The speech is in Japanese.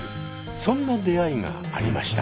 そんな出会いがありました。